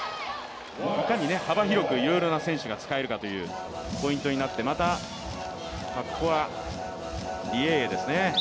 いかに幅広くいろいろな選手が使えるかというポイントになっていますね。